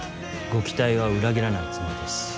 ご期待は裏切らないつもりです。